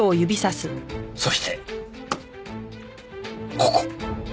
そしてここ。